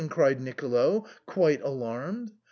cried Nicolo, quite alarmed.